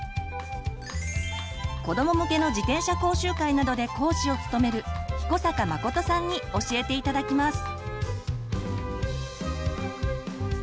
子ども向けの自転車講習会などで講師を務める彦坂誠さんに教えて頂きます。